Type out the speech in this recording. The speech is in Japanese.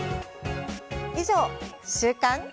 以上、週刊。